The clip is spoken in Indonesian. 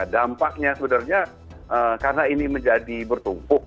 dampaknya sebenarnya karena ini menjadi bertumpuk